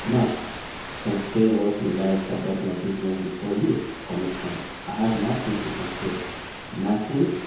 "Mark can say what he likes about my business before you, Conniston. I have nothing to conceal." "Nothing?"